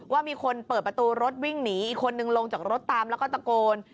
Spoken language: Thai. ว่ามีคนเปิดประตูรถวิ่งหนีอีกคนนึงลงจากรถตามแล้วก็ตะโกน